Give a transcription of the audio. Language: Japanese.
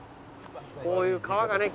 こういう川がね